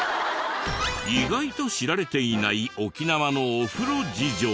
意外と知られていない沖縄のお風呂事情。